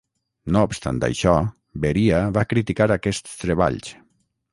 No obstant això, Beria va criticar aquests treballs.